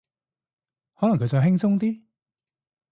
可能佢想輕鬆啲